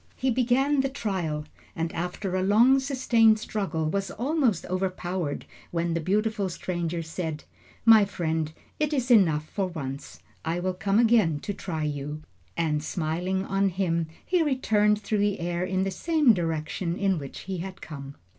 He began the trial, and after a long sustained struggle, was almost overpowered, when the beautiful stranger said: "My friend, it is enough for once; I will come again to try you," and smiling on him, he returned through the air in the same direction in which he had come.